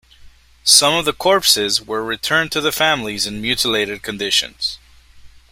Some of the corpses were returned to the families in a mutilated condition.